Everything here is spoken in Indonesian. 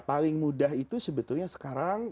paling mudah itu sebetulnya sekarang